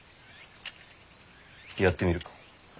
やってみるか。